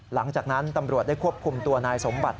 หลังจากนั้นตำรวจได้ควบคุมตัวนายสมบัติ